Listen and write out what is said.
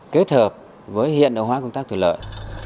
kết hợp với hiện hóa công tác thủy lợi